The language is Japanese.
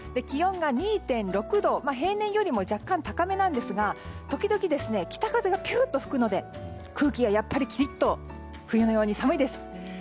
気温が２．６度と平年よりも若干高めなんですが、時々北風がぴゅーっと吹くので空気はきりっと冬のように寒いです。